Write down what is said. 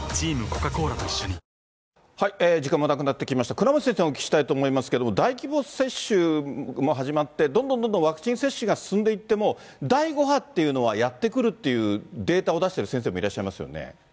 倉持先生にもお聞きしたいと思いますけれども、大規模接種も始まって、どんどんどんどんワクチン接種が進んでいっても、第５波っていうのはやって来るっていうデータを出してる先生もいらっしゃいますよね。